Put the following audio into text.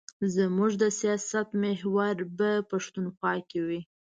زموږ د سیاست محور به پښتونخوا وي.